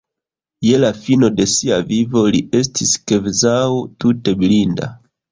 Je la fino de sia vivo li estis kvazaŭ tute blinda.